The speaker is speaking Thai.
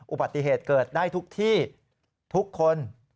อุบัติเหตุเกิดได้ทุกที่ทุกคน